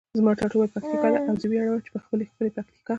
زما ټاټوبی پکتیکا ده او زه ویاړمه په خپله ښکلي پکتیکا.